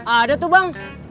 ada tuh bang